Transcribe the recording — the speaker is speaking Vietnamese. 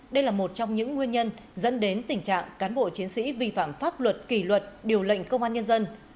đây là một trong những nguyên nhân dẫn đến tình trạng cán bộ chiến sĩ vi phạm pháp luật kỷ luật điều lệnh công an nhân dân